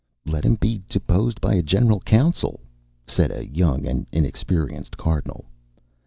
"Let him be deposed by a general council," said a young and inexperienced Cardinal.